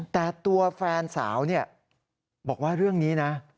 แต่ตัวแฟนสาวบอกว่าเรื่องนี้นะ